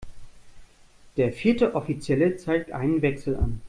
Der vierte Offizielle zeigt einen Wechsel an.